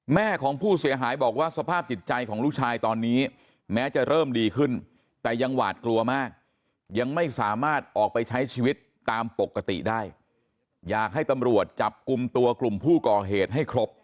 แม่ของผู้เสียหายบอกว่าสภาพจิตใจของลูกชายตอนนี้แม้จะเริ่มดีขึ้นแต่ยังหวาดกลัวมากยังไม่สามารถออกไปใช้ชีวิตตามปกติได้